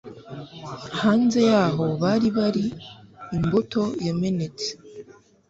Hanze yaho bari bari imbuto yamenetse